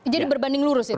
jadi berbanding lurus itu